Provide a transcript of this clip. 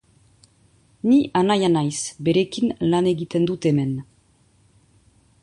Ni anaia naiz, berekin lan egiten dut hemen.